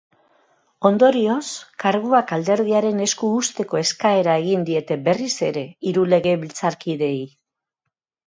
Ondorioz, karguak alderdiaren esku uzteko eskaera egin diete berriz ere hiru legebiltzarkideei.